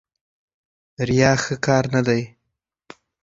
ریا ښه کار نه دی.